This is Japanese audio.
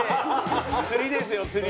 釣りですよ釣り。